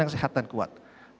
yang sehat dan kuat